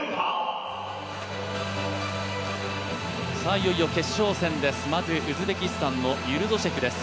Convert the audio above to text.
いよいよ決勝戦です、まずウズベキスタンのユルドシェフです。